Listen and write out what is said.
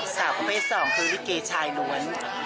สาวประเภทสองคือลิเกชายล้วน